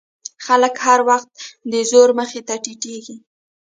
خلک هر وخت د زور مخې ته ټیټېږي.